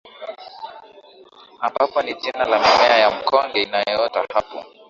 ambapo ni jina la mimea ya mkonge inayoota hapo